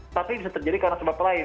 tapi bisa terjadi karena sebab lain